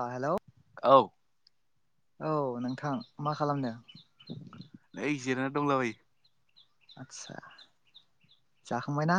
आ हेल'। औ औ नोंथां मा खालामदों? नै जिरायना दंला बायो। आदसा जाखांबाय ना?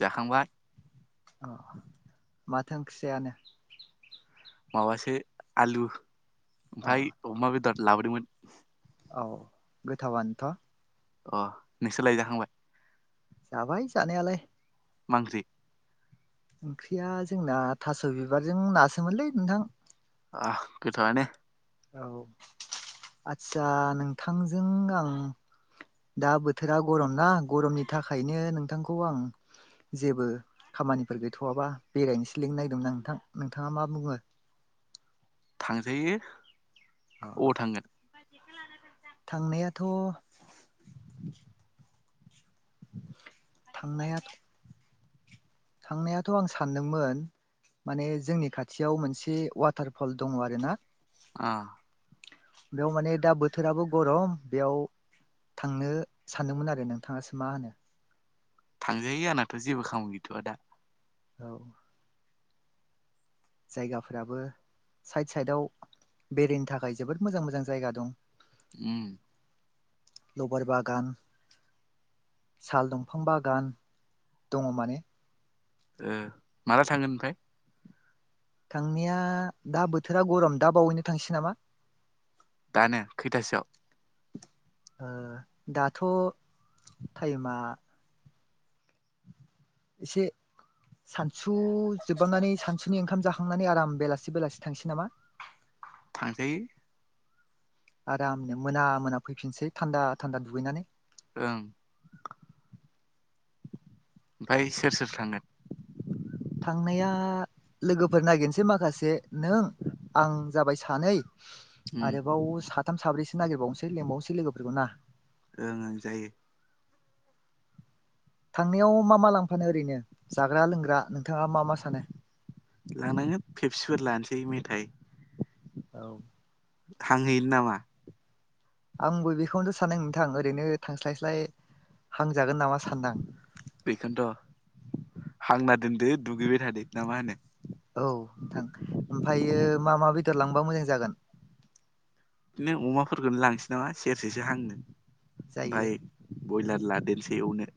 जाखांबाय। अ माथो ओंख्रि जायानो? माबासो आलु अ ओमफ्राय अमा बेदर लाबोदोंमोन। औ गोथावानोथ' अ नोंसालाय जाखांबाय जाबाय जानायालाय मा ओंख्रि ओंख्रिया जोंना थास' बिबारजों नासोमोनलै नोंथां वाह गोथावानो औ आदसा नोंथांजों आं दा बोथोरा गरम ना गरमनि थाखायनो नोंथांखौ आं जेबो खामानिफोर गैथ'वाबा बेरायनोसो लिंनाय दोंमोन आं नोंथां नोंथाङा मा बुङो थांजायो अ अबाव थांगोन [unintelligible] थांनायाथ' थांनाया थांनायाथ' आं सानदोंमोन माने जोंनि खाथियाव मोनसे वाटार फल दङ आरो ना ओम बेयाव माने दा बोथोराबो गरम बेयाव थांनो सानदोंमोन आरो नोंथाङासो मा होनो थांजायो आंनाथ' जेबो खामानि गैथ'वआ दा औ। जायगाफोराबो साइद साइदाव बेरायनो थाखाय जोबोद मोजां मोजां जायगा दं उम। लबोर बागान साल दंफां बागान दङ माने ओ माला थांगोन ओमफ्राय। थांनाया दा बोथोरा गरम दा बावैनो थांसै नामा। दानो खैथासोआव ओ दाथ' टाइमा से सानसु जोबांनानै सानसुनि ओंखाम जाखांनानै आराम बेलासि बेलासि थांसै नामा। थांजायो। आरामनो मोना मोना फैफिनसै थान्दा थान्दा दुगैनानै। ओं ओमफ्राय सोर सोर थांगोन। थांनाया लोगोफोर नायागिरनोसै माखासे नों आं जाबाय सानै उम आरोबाव साथाम साब्रैसो नागिरबावनोसै लिंबावनोसै लोगोफोरखौ ना ओं ओं जायो। थांनायाव मा मा लांफानो ओरैनो जाग्रा लोंग्रा नोंथाङा मा मा सानो। लांनांगोन फेब्सि लानोसै मेथाइ। औ। थांहैनो नामा आंबो बेखौनोथ' सानदों नोंथां ओरैनो थांस्लाय स्लाय हांजागोन नामा सानदो आं। बेखौनोथ' हांना दोनदो दुगैबाय थादो ना मा होनो। औ नोंथां ओमफ्रायो मा मा बेदर लांबा मोजां जागोन। बिदिनो अमाफोरखौनो लांसै नामा सेरसेसो हांनो जायो ओमफाय बयलार लादेरसै एवनो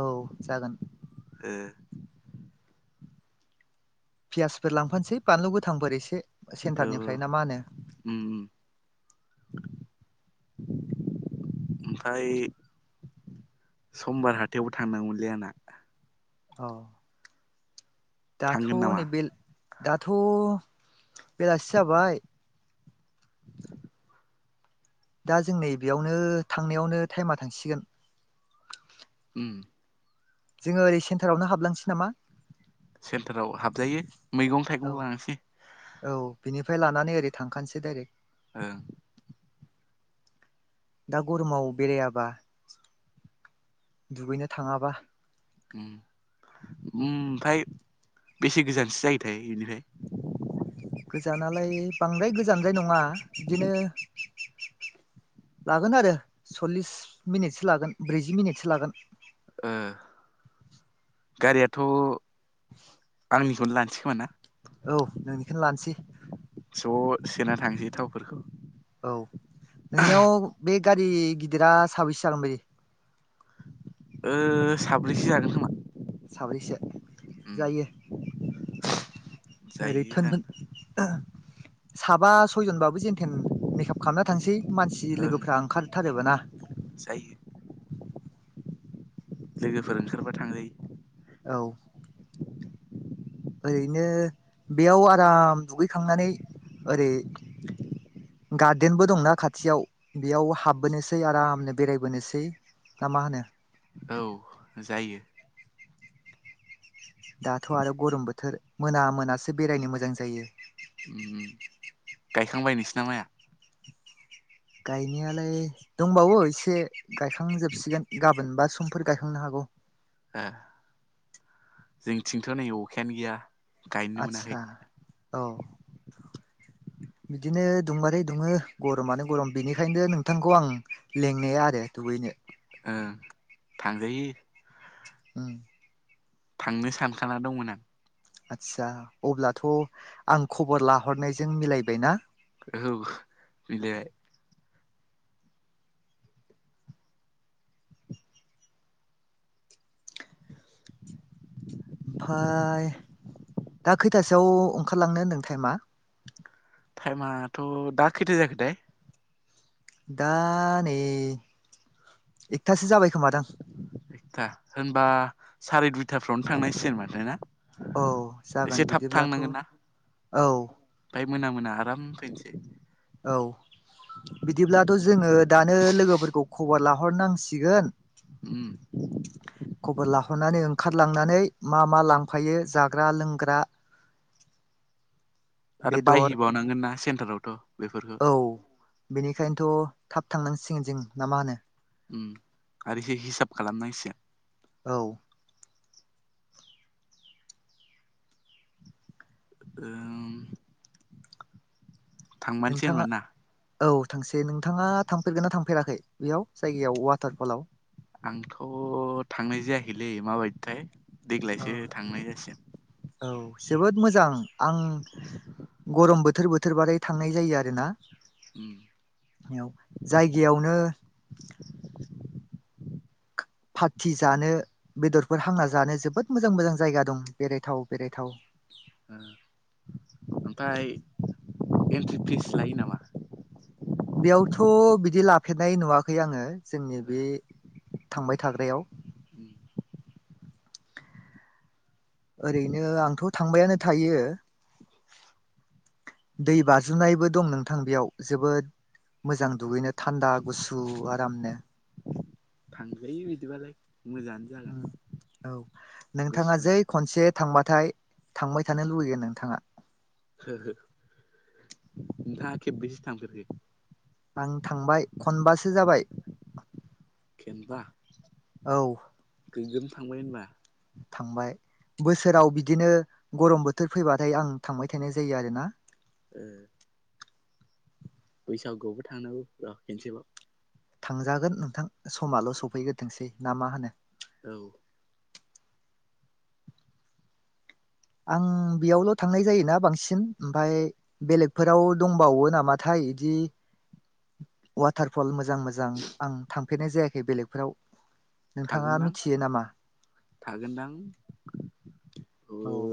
औ जागोन। ओ पियासफोर लांफानोसै बानलु गोथांफोर एसे औ सेन्टारनिफ्राय ना मा होनो। उम उम [inaudible] ओमफाय समबार हाथायावबो थांनांगौमोनलै आंना औ दाथ' थांगोन नामा? नै बिल दाथ' बेलासि जाबाय [inaudible] दा जों नै बेयावनो थांनायावनो थाइमा थांसिगोन। ओम जोङो ओरै सेन्टारावनो हाबलांसै नामा सेन्टाराव हाबजायो मैगं औ थाइगं लांसै औ बिनिफ्राय लानानै ओरै थांखानोसै डाइरेक्ट ओं। दा गरमाव बेरायाबा दुगैनो थाङाबा ओम ओम ओमफाय बेसे गोजानसो जायोथाय इनिफाय? गोजानालाय बांद्राय गोजानद्राय नङा बिदिनो लागोन आरो सल्लिस मिनिटसो लागोन ब्रैजि मिनिटसो लागोन। ओ गारियाथ' [inaudible] आंनिखौनो लानोसै खोमा ना? औ नोंनिखोनो लानोसै। ज' सोना थांसै थावफोरखौ औ। नोंनियाव बे गारि गिदिरा साबैसे जागोन बादि? ओ साब्रैसो जागोन खोमा साब्रैसो उम जायो ओरै जायो टोनटोन जानो साबा सयजनबाबो जेेनटेन मेकाप खामना थांसै। मानसि ओं लोगोफ्रा ओंखारथारोबो ना? जायो। लोगोफोर ओंखारबा थांजायो औ। ओरैनो बेयाव आराम दुगैखांनानै ओरै गार्देनबो दंना खाथियाव बेयाव हाबबोनोसै आरामनो बेरायबोनोसै ना मा होनो? औ जायो। दाथ' आरो गरम बोथोर मोना मोनासो बेरायनो मोजां जायो ओम ओम। गायखांबाय नोंसिना माइया? गायनायालाय दंबावो एसे गायखांजोबसिगोन गाबोन बा समफोर गायखांनो हागौ। आह जोंनिथिंथ' नै अखायानो गैया। गायनोनो मोनाखै आतसा औ। बिदिनो दुंबाथाय दुङो गरमानो गरम बेनिखायनो नोंथांखौ आं लेंनाया आरो दुगैनो ओं थांजायो ओम थांनो सानखाना दंमोन आं। आदसा अब्लाथ' आं खबर लाहरनायजों मिलायबाय ना? औ मिलायबाय फाय दा खैथासोआव ओंखारलांनो होनदों टाइमा? टाइमाथ' दा खैथा जाखोथाय? दा नै एकथासो जाबाय खोमादां एकथा, होनबा साराय दुइथाफ्रावनो थांनांसिगोन माथो ना? औ एसे जागोन थाब बिदिब्लाथ' औ ओमफाय मोना मोना आराम फैनोसै। औ। बिदिब्लाथ' जोङो दानो लोगोफोरखौ खबर लाहरनांसिगोन ओम। [unintelligible] खबर लाहरनानै ओंखारलांनानै मा मा लांफायो जाग्रा लोंग्रा [unintelligible] आरो बायहैबावनांगोन ना सेन्टारावथ' बेफोरफोरखौ औ बेनिखायनोथ' थाब थांनांसिगोन जों ना मा होनो ओम आरो इसे हिसाब खालामनांसिगोन औ ओम थांमारनोसै नोंथाङा होनबा ना औ थांसै नोंथाङा थांफेरगोन ना थांफेराखै बेयाव जायगायाव वाटार फलाव आंथ' थांनाय जायाखैलै माबायदिथाय औ देग्लायसो थांनाय जासिगोन औ जोबोद मोजां आं गरम बोथोर बोथोरबाथाय थांनाय जायो आरोना उम जायगायावनो पार्टि जानो बेदरफोर हांना जानो जोबोद मोजां मोजां जायगा दं बेरायथाव बेरायथाव ओ ओमफ्राय एन्ट्रि फिस लायो नामा? बेयावथ' बिदि लाफेरनाय नुवाखै आङो जोंनि बे थांबाय थाग्रायाव उम ओरैनो आंथ' थांबायानो थायो दै बाजुनायबो दं नोंथां बेयाव जोबोद मोजां दुगैनो थान्दा गुसु आरामनो थांजायो बिदिबालाय मोजाङानो जागोन उम औ नोंथाङा जै गुसुनो खनसे थांबाथाय थांबाय थानो लुुबैगोन नोंथाङा हो हो नोंथाङा खेबबेसे थांफेरखो आं थांबाय खनबासो जाबाय खेनबा औ गोग्गोम थांबाय होनबा थांबाय बोसोराव बिदिनो गरम बोथोर फैबाथाय आं थांबाय थानाय जायो आरोना ए बैसागुआवबो थांनांगौ र' खेनसेबाव थांजागोन नोंथां समाल' सफैग्रोथोंसै ना मा होनो औ आं बेयावल' थांनाय जायोना बांसिन ओमफ्राय बेलेगफोराव दंबावो नामाथाय इदि वाटारफल मो जां मोजां आं थांफेरनाय जायाखै बेलेगफोराव नोंथाङा थागोनदां मिथियो नामा थागोनदां ओ औ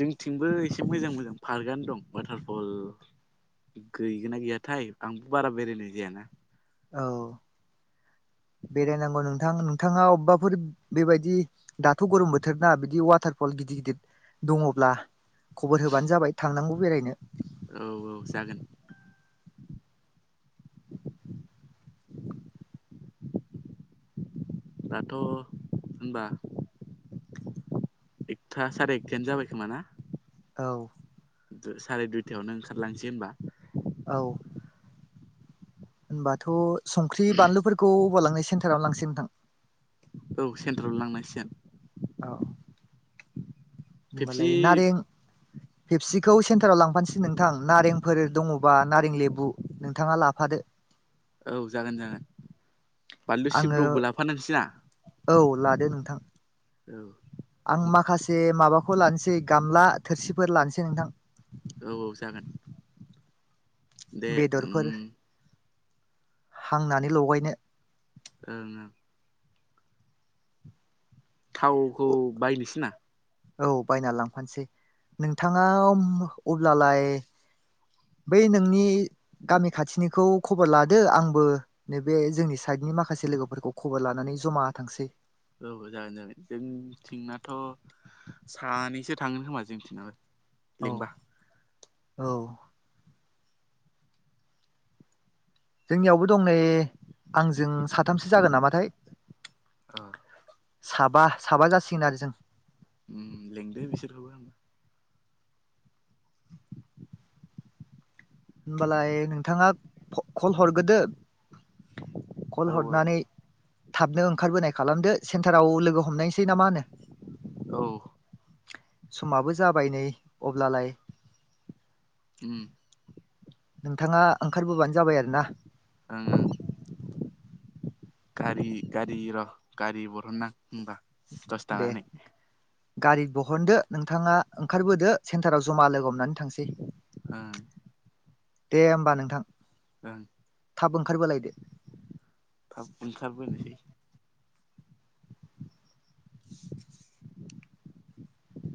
जोंथिंबो एसे मोजां मोजां पार्कआनो दं वाटारफल गैगोन ना गैयाथाय आंबो बारा बेरायनाय जायाना औ बेरायनांगौ नोंथां नोंथाङा अबेबाफोर बेबायदि दाथ' गरम बोथोरना बिदि वाटारफल गिदिर गिदिर दङब्ला खबर होबानो जाबाय थांनांगौ बेरायनो। औ औ जागोन [inaudible] दाथ' होनबा एकथा साराय एकथायानो जाबाय खोमा ना? औ साराय दुइथायावनो ओंखारलांसै ओमबा औ होनबाथ' संख्रि बानलुफोरखौ हवाल लां सेन्ाराव लांसै नथां [unintelligible] औ सेन्ट्रारावनो लांनांसिगोन। औ फेबसि होमबालाय नारें फेपसिखौ सेन्टाराव लांफानोसै नोंथां नारेंफोर दङबा नारें लेबु नोंथाङा लाफादो। औ जागोन जागोन बानलु आङो सिब्रबो लाफानोसैना? औ लादो नोंथां। औ आं माखासे माबाखौ लानोसै गामला थोरसिफोर लानोसै नोंथां औ औ जागोन। दे बेदरफोर ओम हांनानै लगायनो ओं ओंं थावखौ बायनोसै ना? औ बायना लांफानोसै नोंथाङा अब्लालाय बै नोंनि गामि खाथिनिखौ खबर लादो आंबो बे जोंनि साइडनि माखासे लोगोफोरखौ खबर लानानै जमा थांसै औ जागोन जागोन जोंथिंनाथ' सानैसो थांगोन खोमा जोंथिनाबो औ लिंबा औ जोंनियावबो दं नै आंजों साथामसो जागोन नामाथाय औ साबा साबा जासिगोन आरो जों ओम लेंदो बिसोरखौबो होमबालाय नोंथाङा कल हरग्रोदो कल औ हरनानै थाबनो ओंखारबोनाय खालामदो सेन्टाराव लोगो हमनायसै ना मा होनो? औ समाबो जाबाय नै अब्लालाय ओम नोंथाङा ओंखारबोबानो जाबाय आरो ना। ओंं ओं गारि- गारि र'- गारि बरनो आं होनबा दे गारि बहनदो नोंथाङा ओंखारबोदो सेन्टाराव जमा लोगो हमनानै थां थांसै ओं दे होमबा नोंथां। ओं थाब ओंखारबोलायदो थाब ओंखारबोनोसै [inaudible]